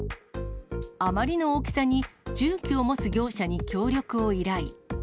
あまりの大きさに、重機を持つ業者に協力を依頼。